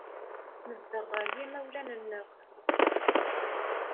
Nezdeɣ ɣer yimawlan-nneɣ.